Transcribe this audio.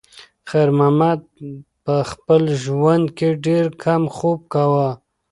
خیر محمد په خپل ژوند کې ډېر کم خوب کاوه.